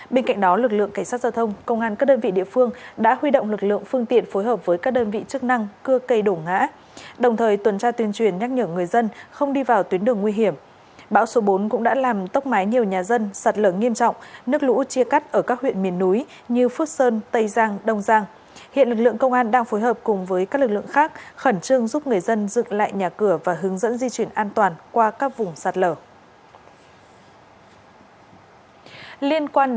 trên đà nẵng quảng nam quảng nam quảng nam quảng nam quảng nam quảng nam quảng nam quảng nam quảng nam quảng nam quảng nam quảng nam quảng nam quảng nam quảng nam quảng nam quảng nam quảng nam quảng nam quảng nam quảng nam quảng nam quảng nam quảng nam quảng nam quảng nam quảng nam quảng nam quảng nam quảng nam quảng nam quảng nam quảng nam quảng nam quảng nam quảng nam quảng nam quảng nam quảng nam quảng nam quảng nam quảng nam quảng nam quảng nam quảng nam quảng nam quảng nam quảng nam quảng nam quảng nam quảng nam quảng nam quảng nam